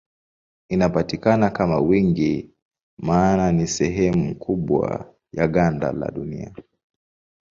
Inapatikana kwa wingi maana ni sehemu kubwa ya ganda la Dunia.